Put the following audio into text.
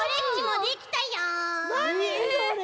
なにそれ！？